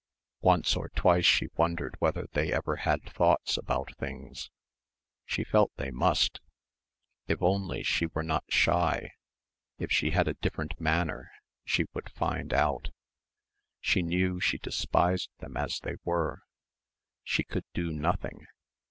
Once or twice she wondered whether they ever had thoughts about things ... she felt they must; if only she were not shy, if she had a different manner, she would find out. She knew she despised them as they were. She could do nothing.